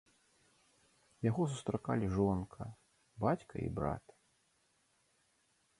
Яго сустракалі жонка, бацька і брат.